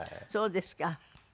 そうですか。